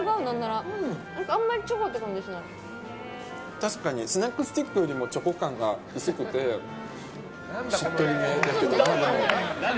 確かにスナックスティックよりチョコ感が薄くて、しっとりめ。